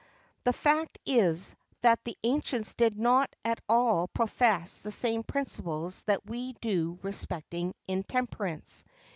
The fact is, that the ancients did not at all profess the same principles that we do respecting intemperance.